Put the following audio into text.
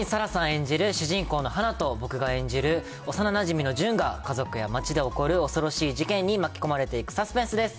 演じる主人公の花と、僕が演じる幼なじみの純が、家族や町で起こる恐ろしい事件に巻き込まれていくサスペンスです。